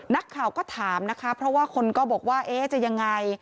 นักข่าวก็ถามนะคะเพราะว่าคนก็บอกว่าเอ๊ะจะยังไง